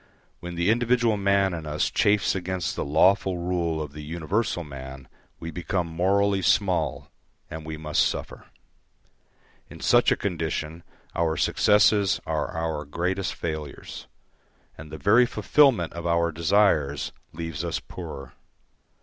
When the individual man in us chafes against the lawful rule of the universal man we become morally small, and we must suffer. In such a condition our successes are our greatest failures, and the very fulfilment of our desires leaves us poorer.